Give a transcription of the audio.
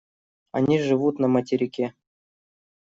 Они живут на материке.